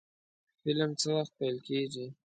فلم څه وخت پیل کیږي؟